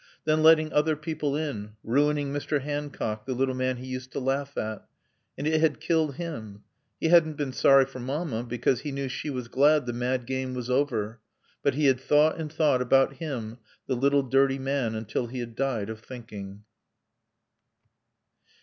Then letting other people in; ruining Mr. Hancock, the little man he used to laugh at. And it had killed him. He hadn't been sorry for Mamma, because he knew she was glad the mad game was over; but he had thought and thought about him, the little dirty man, until he had died of thinking.